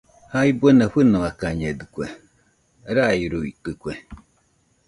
Jae buena fɨnoakañedɨkue, rairuitɨkue.